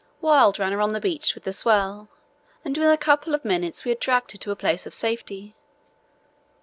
Wild ran her on the beach with the swell, and within a couple of minutes we had dragged her to a place of safety.